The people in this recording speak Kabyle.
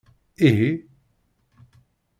Ihi?